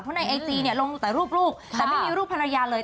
เพราะในไอจีลงแต่รูปแต่ไม่มีรูปภรรยาเลย